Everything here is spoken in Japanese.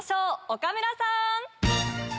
岡村さん。